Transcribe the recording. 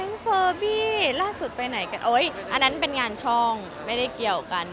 เฟอร์บี้ล่าสุดไปไหนกันโอ๊ยอันนั้นเป็นงานช่องไม่ได้เกี่ยวกัน